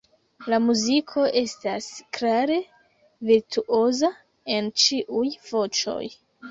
La muziko estas klare ‘virtuoza’ en ĉiuj voĉoj.